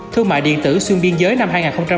thương mại điện tử xuyên biên giới năm hai nghìn hai mươi